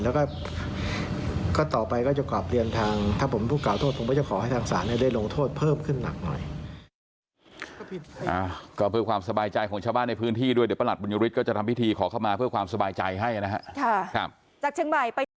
แล้วก็ต่อไปก็จะกลับเรียนทางถ้าผมถูกกล่าวโทษผมก็จะขอให้ทางศาลได้ลงโทษเพิ่มขึ้นหนักหน่อย